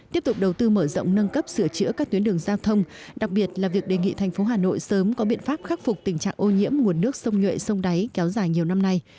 tiếp tục đầu tư mở rộng nâng cấp sửa chữa các tuyến đường giao thông đặc biệt là việc đề nghị thành phố hà nội sớm có biện pháp khắc phục tình trạng ô nhiễm nguồn nước sông nhuệ sông đáy kéo dài nhiều năm nay